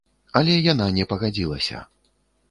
Але яна не пагадзілася.